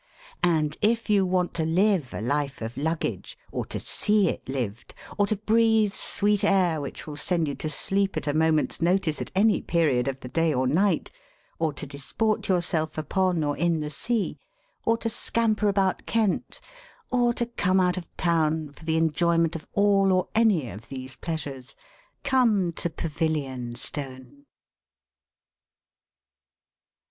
And, if you want to live a life of luggage, or to see it lived, or to breathe sweet air which will send you to sleep at a moment's notice at any period of the day or night, or to disport yourself upon or in the sea, or to scamper about Kent, or to come out of town for the enjoyment of all or any of these pleasures, come to Pavilionstone.